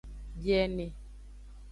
Biene.